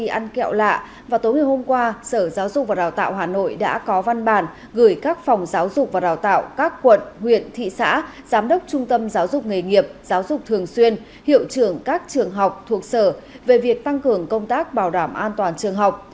khi ăn kẹo lạ và tối ngày hôm qua sở giáo dục và đào tạo hà nội đã có văn bản gửi các phòng giáo dục và đào tạo các quận huyện thị xã giám đốc trung tâm giáo dục nghề nghiệp giáo dục thường xuyên hiệu trưởng các trường học thuộc sở về việc tăng cường công tác bảo đảm an toàn trường học